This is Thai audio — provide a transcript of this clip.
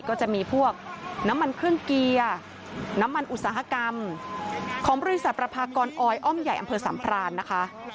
ก็จะมีพวกน้ำมันเครื่องเกียร์น้ำมันอุตสาหกรรมของบริษัทประพากรอออยอ้อมใหญ่อำเภอสัมพรานนะคะ